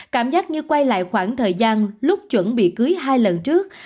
cảm giác như quay lại khoảng thời gian lúc chuẩn bị cưới hai lần trước